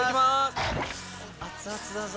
熱々だぞ。